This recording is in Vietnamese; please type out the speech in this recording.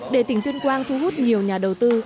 để tỉnh tuyên quang thu hút nhiều nhà đầu tư